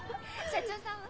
社長さんは？